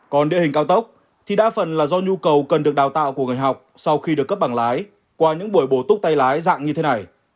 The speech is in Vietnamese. còn địa hình cao tốc thì đa phần là do nhu cầu cần được đào tạo của người học sau khi được cấp bằng lái qua những buổi bổ túc tay lái dạng như thế này